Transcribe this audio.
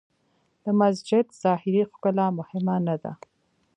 د مسجد ظاهري ښکلا مهمه نه ده.